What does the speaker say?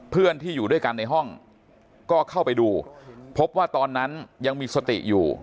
เพื่อนที่อยู่ด้วยกันในห้องก็เข้าไปดูพบว่าตอนนั้นยังมีสติอยู่